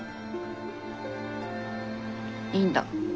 「いいんだ。